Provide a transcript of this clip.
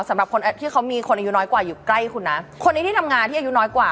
สำหรับคนที่เขามีคนอายุน้อยกว่าอยู่ใกล้คุณนะคนนี้ที่ทำงานที่อายุน้อยกว่า